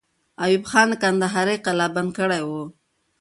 ایوب خان کندهار قلابند کړی وو.